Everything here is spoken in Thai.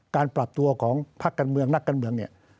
การปรับตัวของพักการเมืองนักการเมืองเนี่ย